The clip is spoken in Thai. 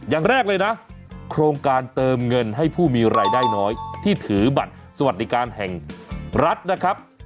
อย่างแรกเลยนะโครงการเติมเงินให้ผู้มีรายได้น้อยที่ถือบัตรสวัสดิการแห่งรัฐนะครับ